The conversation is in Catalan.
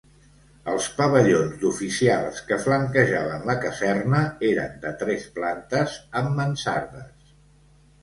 Els pavellons d'oficials que flanquejaven la caserna eren de tres plantes amb mansardes.